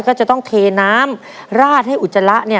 ก็จะต้องเทน้ำราดให้อุจจาระเนี่ย